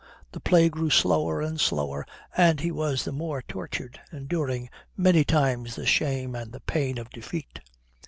The play grew slower and slower, and he was the more tortured, enduring many times the shame and the pain of defeat.